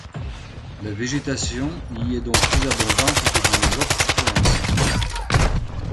La végétation y est donc plus abondante que dans les autres provinces.